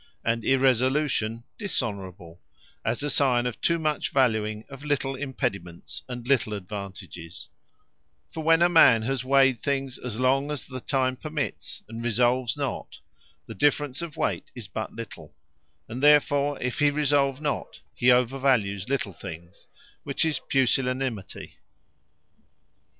And Irresolution, Dishonourable; as a signe of too much valuing of little impediments, and little advantages: For when a man has weighed things as long as the time permits, and resolves not, the difference of weight is but little; and therefore if he resolve not, he overvalues little things, which is Pusillanimity.